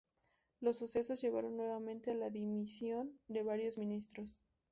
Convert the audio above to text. Los sucesos llevaron nuevamente a la dimisión de varios ministros.